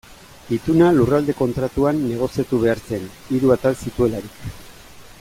Ituna Lurralde Kontratuan negoziatu behar zen, hiru atal zituelarik.